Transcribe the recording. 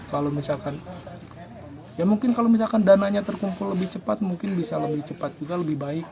kalau misalkan ya mungkin kalau misalkan dananya terkumpul lebih cepat mungkin bisa lebih cepat juga lebih baik